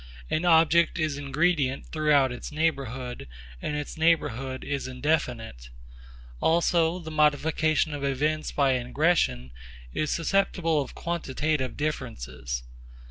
An object is ingredient throughout its neighbourhood, and its neighbourhood is indefinite. Also the modification of events by ingression is susceptible of quantitative differences.